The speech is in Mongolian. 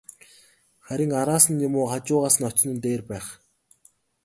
Харин араас нь юм уу, хажуугаас нь очсон нь дээр байх.